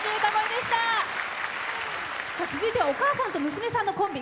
続いてはお母さんと娘さんのコンビ。